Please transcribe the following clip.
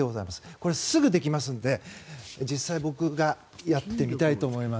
これ、すぐできますので実際に僕がやってみたいと思います。